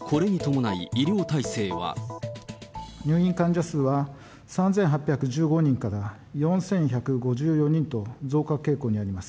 入院患者数は、３８１５人から４１５４人と、増加傾向にあります。